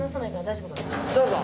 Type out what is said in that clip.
どうぞ。